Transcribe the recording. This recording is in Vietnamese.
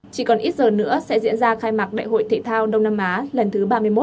chỉ còn ít giờ nữa sẽ diễn ra khai mạc đại hội thể thao đông nam á lần thứ ba mươi một